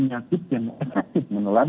ada angka ada pengadilan